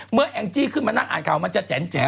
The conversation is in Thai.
เมื่อแองจี้ขึ้นมานั่งอ่านข่าวมันจะแจ๋นแจ๋น